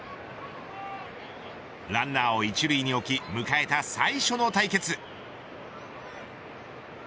ランナーを１塁に置き迎えた最初の対決。